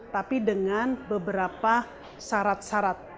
tapi dengan beberapa syarat syarat